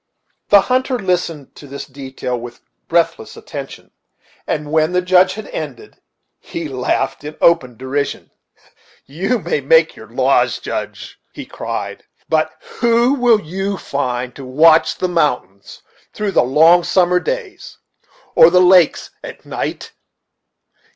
The hunter listened to this detail with breathless attention, and, when the Judge had ended, he laughed in open derision. "You may make your laws, Judge," he cried, "but who will you find to watch the mountains through the long summer days, or the lakes at night?